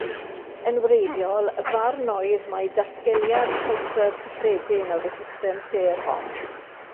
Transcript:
Yn wreiddiol, y farn oedd mai datgeliad pylser cyffredin oedd y system sêr hon.